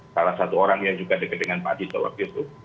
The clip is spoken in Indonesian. salah satu orang yang juga dekat dengan pak tito waktu itu